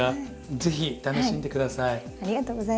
是非楽しんで下さい。